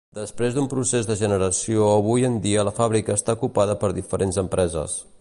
Després d'un procés de generació avui en dia la fàbrica està ocupada per diferents empreses.